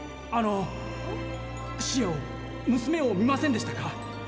あのシアをむすめを見ませんでしたか？